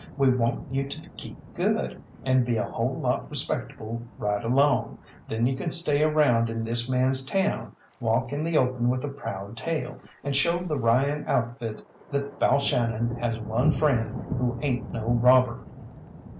We want you to keep good, and be a whole lot respectable right along. Then you can stay around in this man's town, walk in the open with a proud tail, and show the Ryan outfit that Balshannon has one friend who ain't no robber."